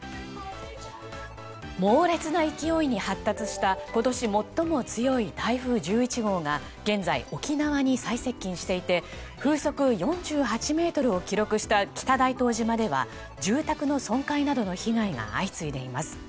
猛烈な勢いに発達した今年最も強い台風１１号が現在、沖縄に最接近していて風速４８メートルを記録した北大東島では住宅の損壊などの被害が相次いでいます。